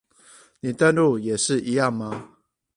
你登入也是一樣嗎？